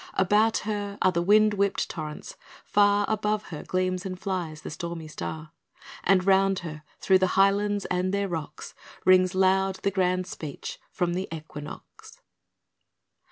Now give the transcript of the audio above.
About her are the wind whipped torrents; far Above her gleams and flies the stormy star, And round her, through the highlands and their rocks, Rings loud the grand speech from the equinox.